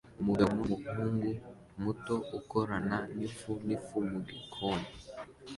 Umugabo numuhungu muto ukorana nifu nifu mugikoni